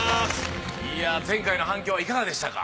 いや前回の反響はいかがでしたか？